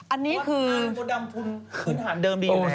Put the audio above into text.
อันนี้คือคืนหันเดิมดีอยู่แล้ว